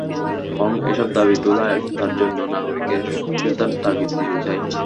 বরং এসব দাবি তোলা এবং তার জন্য নাগরিকের সক্রিয়তার তাগিদ দিতে চাই।